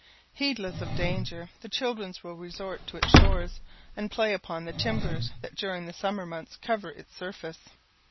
Heedless of danger, the children will resort to its shores, and play upon the timbers that during the summer months cover its surface.